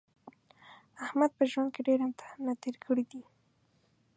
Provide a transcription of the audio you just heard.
احمد په ژوند کې ډېر امتحانونه تېر کړي دي.